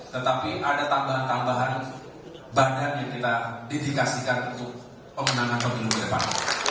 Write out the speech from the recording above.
tetapi ada tambahan tambahan badan yang kita dedikasikan untuk pemenangan pemilu ke depan